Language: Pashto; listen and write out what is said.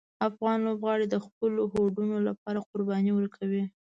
افغان لوبغاړي د خپلو هوډونو لپاره قربانۍ ورکوي.